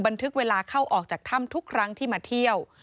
บันทึกเวลาเข้าออกจากถ้ำทุกครั้งที่มาเที่ยว